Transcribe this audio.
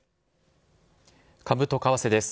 株と為替です。